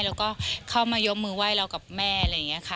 แล้วก็เข้ามายกมือไหว้เรากับแม่อะไรอย่างนี้ค่ะ